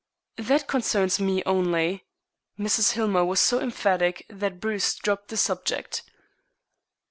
"That concerns me only." Mrs. Hillmer was so emphatic that Bruce dropped the subject.